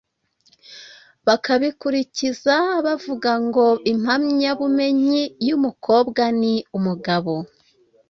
bakabikuririza bavuga ngo: “Impamyabumenyi y’umukobwa ni umugabo”.